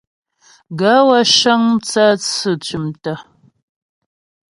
Gaê wə́ cə́ŋ mtsə́tsʉ̂ tʉ̀mtə̀.